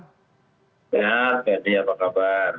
sehat jadi apa kabar